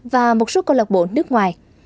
và một số câu lạc bộ nước ngoài